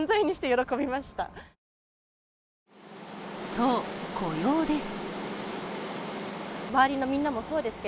そう、雇用です。